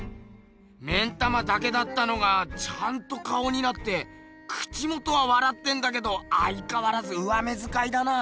目ん玉だけだったのがちゃんと顔になって口元はわらってんだけどあいかわらず上目づかいだな。